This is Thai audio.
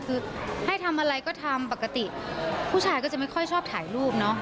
คือให้ทำอะไรก็ทำปกติผู้ชายก็จะไม่ค่อยชอบถ่ายรูปเนาะ